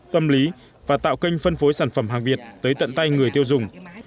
tâm lý và tạo kênh phân phối sản phẩm hàng việt tới tận tay người tiêu dùng